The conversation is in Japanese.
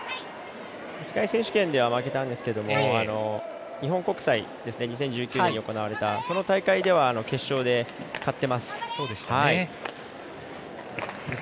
世界選手権では負けたんですけど２０１９年に行われた日本国際その大会では決勝で勝っています。